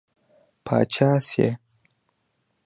پاچا شي.